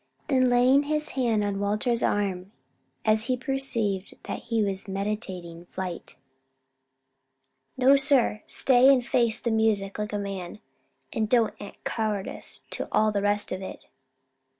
Then laying his hand on Walter's arm as he perceived that he was meditating flight, "No, sir, stay and face the music like a man; don't add cowardice to all the rest of it."